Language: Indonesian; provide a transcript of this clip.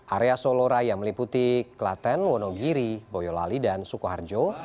area soloraya meliputi klaten wonogiri boyolali dan sukoharjo